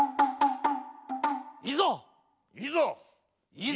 いざ！